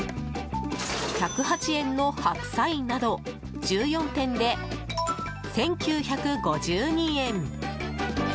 １０８円の白菜など１４点で１９５２円。